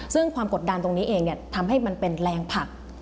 ซึ่งความกดดันตรงนี้เองทำให้มันเป็นแรงผลัก